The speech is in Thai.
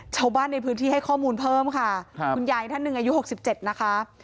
ชาวบ้านในพื้นที่ให้ข้อมูลเพิ่มค่ะคุณยายท่านหนึ่งอายุ๖๗นะคะ